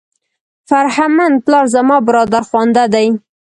فرهمند پلار زما برادرخوانده دی.